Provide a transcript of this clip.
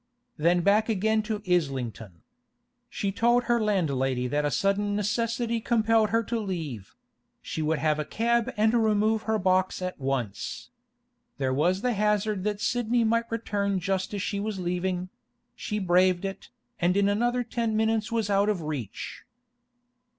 Then back again to Islington. She told her landlady that a sudden necessity compelled her to leave; she would have a cab and remove her box at once. There was the hazard that Sidney might return just as she was leaving; she braved it, and in another ten minutes was out of reach.